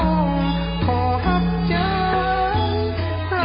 ทรงเป็นน้ำของเรา